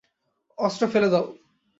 অস্ত্র ফেলে দাও!